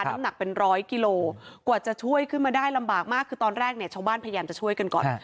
น้ำหนักเป็นร้อยกิโลกว่าจะช่วยขึ้นมาได้ลำบากมากคือตอนแรกเนี่ยชาวบ้านพยายามจะช่วยกันก่อน